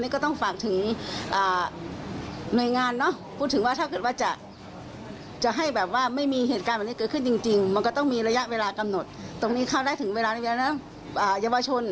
ก็ควรมาครับ